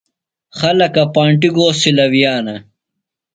خلکہ پانٹیۡ گو سِلہ وِیانہ ؟